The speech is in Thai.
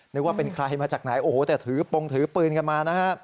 นึกว่าเป็นใครมาจากไหนแต่ถือปรงถือปืนกันมา